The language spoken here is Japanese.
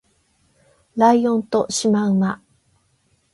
ライオンとシマウマ